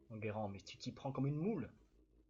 Enguerrand mais tu t’y prends comme une moule!